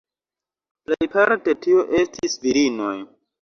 Plejparte tio estis virinoj.